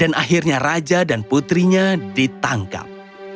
dan akhirnya raja dan putrinya ditangkap